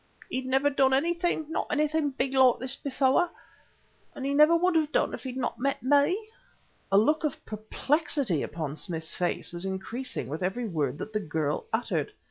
He'd never done anything not anything big like this before, and he never would have done if he had not met me...." The look of perplexity upon Smith's face was increasing with every word that the girl uttered.